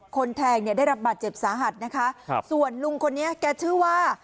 คนแทงได้รับบัตรเจ็บสาหัดนะครับส่วนลุงคนนี้แกชื่อว่า